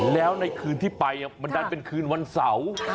แล้วในคืนที่ไปมันคืนวันเสาร์